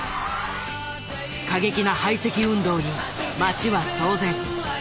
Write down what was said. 過激な排斥運動に街は騒然。